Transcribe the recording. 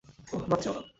ওহ, মাফ চেও না।